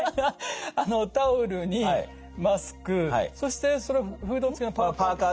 タオルにマスクそしてそれフード付きのパーカー？